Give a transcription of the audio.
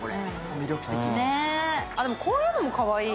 こういうのもかわいい。